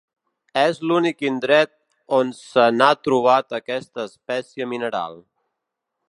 És l'únic indret on se n'ha trobat aquesta espècie mineral.